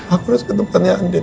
aku harus ke tempatnya andin